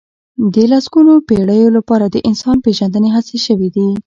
د لسګونو پېړيو لپاره د انسان پېژندنې هڅې شوي دي.